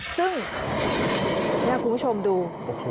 ซึ่งนี่คุณผู้ชมดู